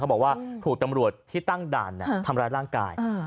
บอกว่าถูกตำรวจที่ตั้งด่านทำร้ายร่างกาย